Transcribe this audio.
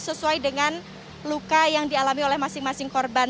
sesuai dengan luka yang dialami oleh masing masing korban